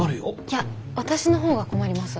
いや私の方が困ります。